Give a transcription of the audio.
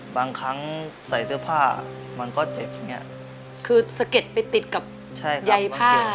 บางครั้งใส่เสื้อผ้ามันก็เจ็บอย่างเงี้ยคือสะเก็ดไปติดกับใยผ้อะไรพวกนี้ถูกไหมครับ